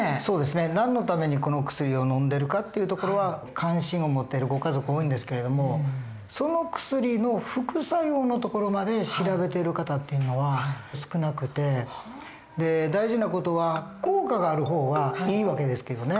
何のためにこの薬をのんでるかっていうところは関心を持ってるご家族多いんですけれどもその薬の副作用のところまで調べてる方っていうのは少なくて大事な事は効果がある方はいい訳ですけどね。